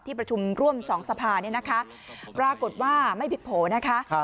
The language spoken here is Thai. ที่ประชุมร่วม๒สภารากฏว่าไม่ผิดโผล่นะคะ